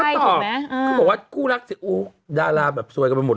เขาบอกว่าคู่รักสิอู้ดาราแบบซวยกันไปหมด